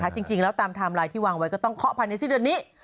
จริงแล้วตามไทม์ไลน์ที่วางไว้ก็ต้องเคาะภายในสิ้นเดือนนี้